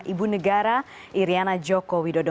ibu negara iryana joko widodo